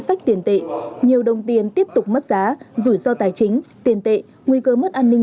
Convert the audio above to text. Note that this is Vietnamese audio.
sách tiền tệ nhiều đồng tiền tiếp tục mất giá rủi ro tài chính tiền tệ nguy cơ mất an ninh